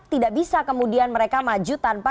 tidak bisa kemudian mereka maju tanpa